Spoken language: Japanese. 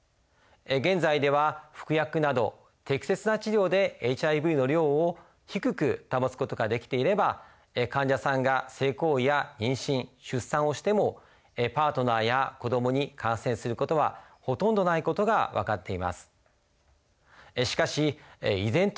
現在では服薬など適切な治療でＨＩＶの量を低く保つことができていれば患者さんが性行為や妊娠出産をしてもパートナーや子供に感染することはほとんどないことが分かっています。